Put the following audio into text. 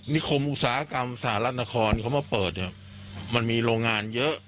คมอุตสาหกรรมสหรัฐนครเขามาเปิดเนี่ยมันมีโรงงานเยอะ